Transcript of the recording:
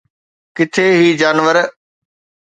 ڪٿي هي جانور